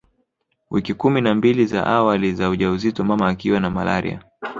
Wiki kumi na mbili za awali za ujauzito mama akiwa na malaria